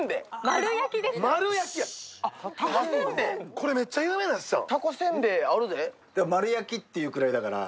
これ、めっちゃ有名なやつやん。